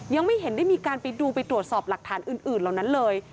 ยังไม่เห็นได้มีการไปดูไปตรวจสอบหลักฐานอื่นเหล่านั้นเลย